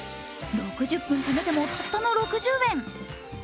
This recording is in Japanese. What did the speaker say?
６０分止めてもたったの６０円。